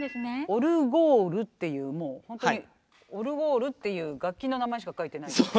オルゴールっていうもう本当にオルゴールっていう楽器の名前しか書いてないですね。